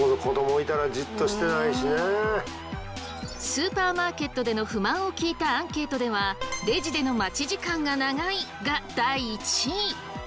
スーパーマーケットでの不満を聞いたアンケートでは「レジでの待ち時間が長い」が第１位！